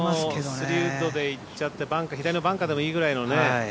３ウッドでいっちゃって左のバンカーでもいいぐらいのね。